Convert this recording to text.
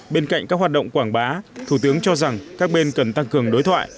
bên cạnh các hoạt động quảng bá thủ tướng cho rằng các bên cần tăng cường đối thoại